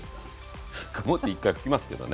曇って１回拭きますけどね。